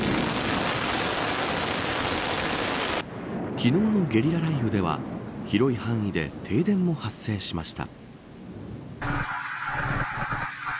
昨日のゲリラ雷雨では広い範囲で停電も発生しました。